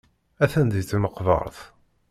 Atan deg tmeqbert.